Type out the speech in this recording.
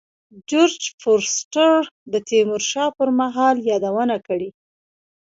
جورج فورستر د تیمور شاه پر مهال یادونه کړې.